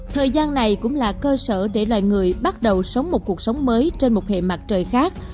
thời gian này cũng là cơ sở để loài người bắt đầu sống một cuộc sống mới trên một hệ mặt trời khác